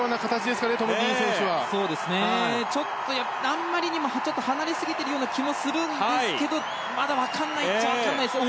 あまりにも離れすぎているような気もするんですけどまだ分からないっちゃ分からないですね。